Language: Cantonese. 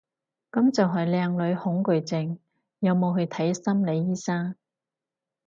噉就係靚女恐懼症，有冇去睇心理醫生？